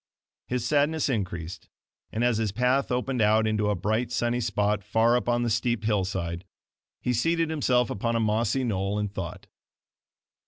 His sadness increased; and as his path opened out into a bright, sunny spot far up on the steep hillside, he seated himself upon a mossy knoll and thought.